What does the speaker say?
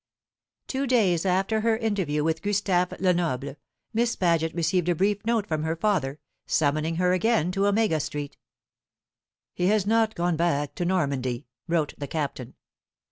Two days after her interview with Gustave Lenoble, Miss Paget received a brief note from her father, summoning her again to Omega Street. "He has not gone back to Normandy," wrote the Captain.